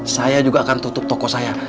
saya juga akan tutup toko saya